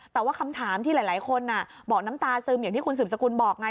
แต่ว่าคำถามที่หลายคนบอกน้ำตาซึมอย่างที่คุณสืบสกุลบอกไง